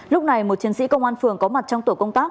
lúc này một chiến sĩ công an phường có mặt trong tổ công tác